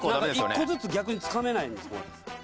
１個ずつ逆につかめないんです